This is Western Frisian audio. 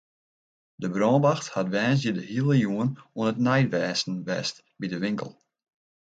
De brânwacht hat woansdei de hiele jûn oan it neidwêsten west by de winkel.